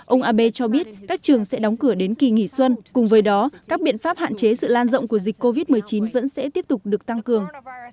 ông abe cho biết các trường sẽ đóng cửa đến kỳ nghỉ xuân cùng với đó các biện pháp hạn chế sự lan rộng của dịch covid một mươi chín vẫn sẽ tiếp tục được tăng cường